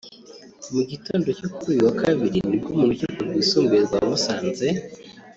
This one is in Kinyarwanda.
Mu gitondo cyo kuri uyu wa Kabiri nibwo mu Rukiko rwisumbuye rwa Musanze